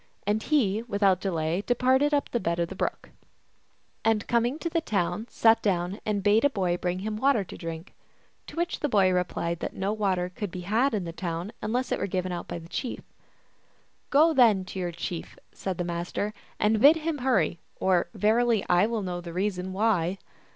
And he without delay departed up the bed of the brook ; and coming to the town, sat down and bade a boy bring him water to drink. To which the boy replied that no water could be had in that town unless it were given out by the chief. " Go then to your chief," said the Master, " and bid him hurry, or, verily, I will know the reason why."